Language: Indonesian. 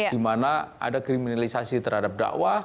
di mana ada kriminalisasi terhadap dakwah